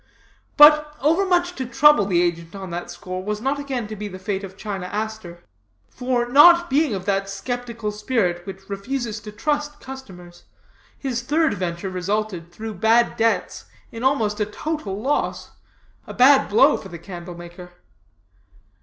"But overmuch to trouble the agent on that score was not again to be the fate of China Aster; for, not being of that skeptical spirit which refuses to trust customers, his third venture resulted, through bad debts, in almost a total loss a bad blow for the candle maker.